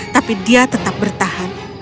tapi dia tetap bertahan